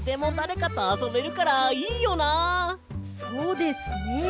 そうですね。